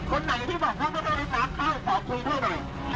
คนไหนที่บอกว่าไม่ได้รักษาเขาขอคุยเท่าไหร่